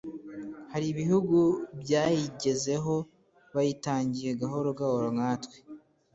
hari ibihugu byayigezeho byayitangiye gahoro gahoro nkatwe